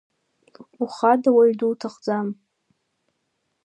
Ухада уаҩ дуҭахӡам.